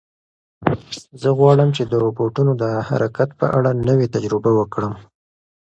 زه غواړم چې د روبوټونو د حرکت په اړه نوې تجربه وکړم.